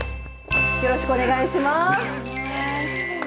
よろしくお願いします。